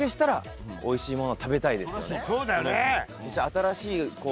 そうだよね！